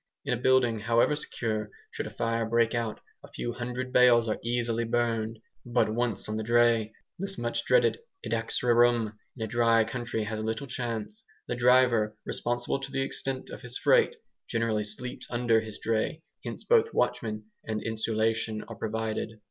In a building, however secure, should a fire break out, a few hundred bales are easily burned; but once on the dray, this much dreaded "edax rerum" in a dry country has little chance. The driver, responsible to the extent of his freight, generally sleeps under his dray; hence both watchman and insulation are provided.